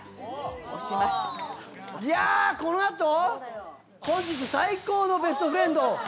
いやこの後本日最高のベストフレンド。